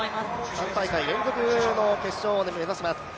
３大会連続の決勝を目指します。